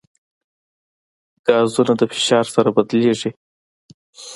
ګازونه د فشار سره بدلېږي.